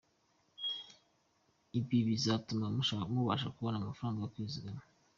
Ibi bizatuma mubasha kubona amafaranga yo kwizigama”.